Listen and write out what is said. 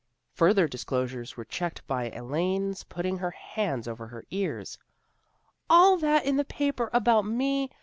Further disclosures were checked by Elaine's putting her hands over her ears. " All that in the paper about me?